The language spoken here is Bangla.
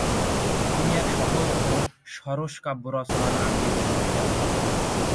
তিনি এক সহজ ও সরস কাব্যরচনার আঙ্গিক গ্রহণ করেছিলেন।